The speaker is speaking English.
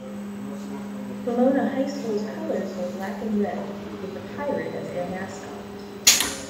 Pomona High School's colors were black and red with the Pirate as their mascot.